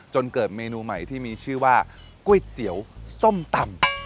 จนเกิดเมนูใหม่ที่มีชื่อว่าก๋วยเตี๋ยวส้มตำ